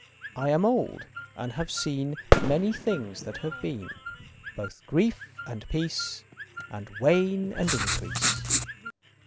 I am old and have seen Many things that have been; Both grief and peace And wane and increase.